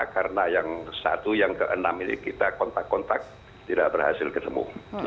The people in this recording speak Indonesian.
karena yang satu yang ke enam ini kita kontak kontak tidak berhasil ketemu